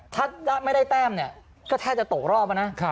ถ้าไม่ได้แต้มเนี่ยก็แทบจะโตรอบแล้วนะครับ